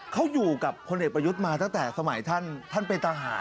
เขาอยู่กับพลเอกประยุทธ์มาตั้งแต่สมัยท่านเป็นทหาร